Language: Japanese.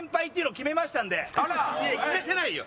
いや決めてないよ！